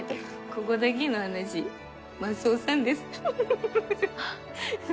ここだけの話マスオさんですあっ